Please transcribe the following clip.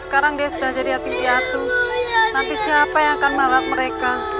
sekarang dia sudah jadi yatim piatu nanti siapa yang akan menolak mereka